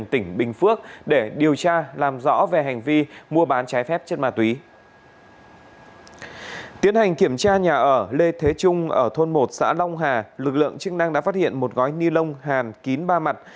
tiến hành kiểm tra nhà ở lê thế trung ở thôn một xã long hà lực lượng chức năng đã phát hiện một gói ni lông hàn kín ba mặt